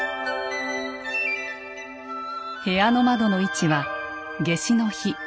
部屋の窓の位置は夏至の日